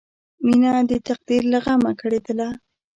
مینه د تقدیر له غمه کړېدله